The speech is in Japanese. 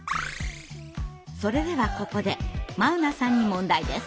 それではここで眞生さんに問題です。